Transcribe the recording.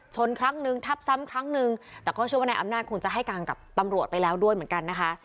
ครั้งนึงทับซ้ำครั้งนึงแต่ก็เชื่อว่านายอำนาจคงจะให้การกับตำรวจไปแล้วด้วยเหมือนกันนะคะ